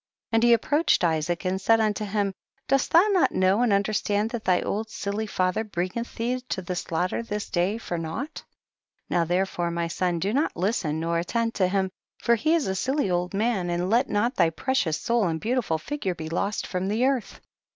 30. And he approached Isaac and said unto him, dost thou not know and understand that tiiy old silly father bringeth thee to the slaughter this day for nought ? 3L Now therefore, my son, do not listen nor attend to him, for he is a silly old man, and let not thy precious soul and beautiful figure be lost from the earth.